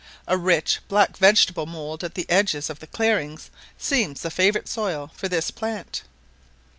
A rich black vegetable mould at the edges of the clearings seems the favourite soil for this plant.